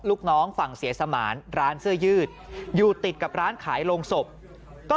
ลูกน้องฝั่งเสียสมานร้านเสื้อยืดอยู่ติดกับร้านขายโรงศพก็